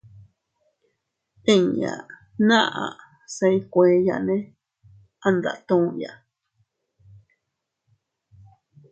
Inña naʼa se iykueyane a ndatuya.